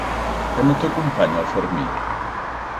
Que no t'acompanya el Fermí?